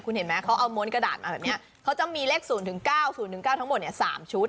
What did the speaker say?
คุณเห็นไหมเขาเอาม้วนกระดาษมาแบบนี้เขาจะมีเลข๐๙๐๑๙ทั้งหมด๓ชุด